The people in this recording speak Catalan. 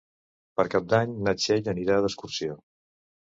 Per Cap d'Any na Txell anirà d'excursió.